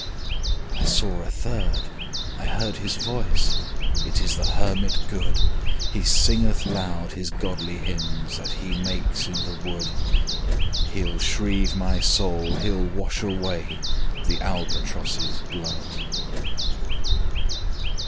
I saw a third I heard his voice: It is the Hermit good! He singeth loud his godly hymns That he makes in the wood. He'll shrieve my soul, he'll wash away The Albatross's blood.